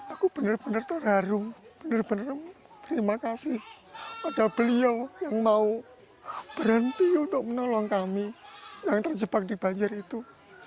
aku benar benar terharu benar benar terima kasih pada beliau yang mau berhenti untuk menolong kami yang terjebak di banjir itu